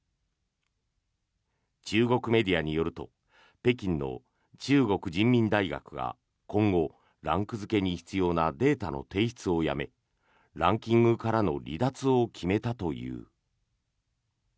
中国メディアによると北京の中国人民大学が今後、ランク付けに必要なデータの提出をやめランキングからの離脱を決めたという。